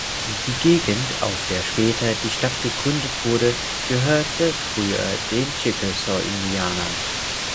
Die Gegend, auf der später die Stadt gegründet wurde, gehörte früher den Chickasaw-Indianern.